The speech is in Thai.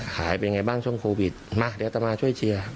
เป็นไงบ้างช่วงโควิดมาเดี๋ยวต่อมาช่วยเชียร์